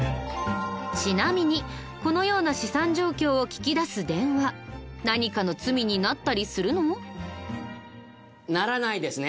ちなみにこのような資産状況を聞き出す電話何かの罪になったりするの？ならないですね